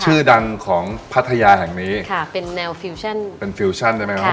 ชื่อดังของพัทยาแห่งนี้ค่ะเป็นแนวฟิวชั่นเป็นฟิวชั่นได้ไหมครับ